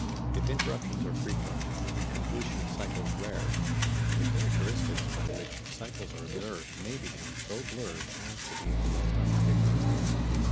If interruptions are frequent and completion of cycles rare, the characteristics by which cycles are observed may become so blurred as to be almost unrecognizable.